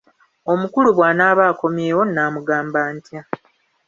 Omukulu bw'anaaba akomyewo naamugamba ntya?